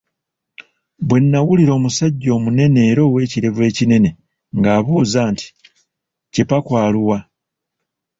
Bwe nawulira omusajja omunene era ow'ekirevu ekinene ng'abuuza nti, Kipaku ali wa?